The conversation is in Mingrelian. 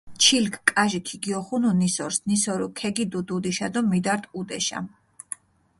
ჩილქ კაჟი ქიგიოხუნუ ნისორს, ნისორი ქეგიდუ დუდიშა დო მიდართჷ ჸუდეშა.